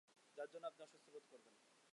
যার জন্যে আপনি অস্বস্তি বোধ করবেন।